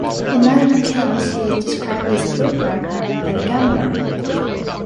In other accounts he is described as a bookmaker and gambler.